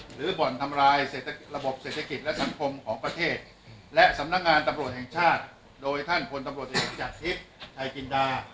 บ่อนทำลายระบบเศรษฐกิจและสังคมของประเทศและสำนักงานตำรวจแห่งชาติโดยท่านพลตำรวจเอกจากทิพย์ชายจินดา